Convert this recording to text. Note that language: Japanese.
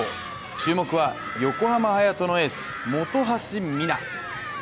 注目は横浜隼人のエース・本橋未菜。